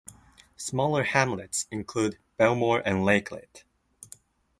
Smaller hamlets include Belmore and Lakelet.